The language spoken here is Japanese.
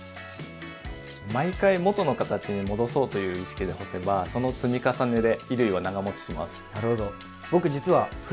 毎回元の形に戻そうという意識で干せばその積み重ねで衣類は長もちします。